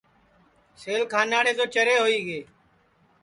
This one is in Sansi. سیل کھاناڑے تو چرے ہوئی گے